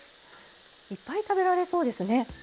いっぱい食べられそうですね。